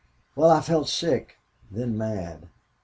"Well, I felt sick. Then mad.